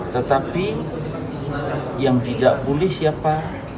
tetapi yang tidak boleh siapa